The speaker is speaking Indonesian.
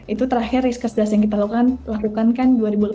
itu terakhir risk as does yang kita lakukan kan dua ribu delapan belas